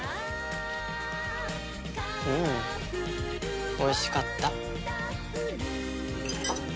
うんおいしかった。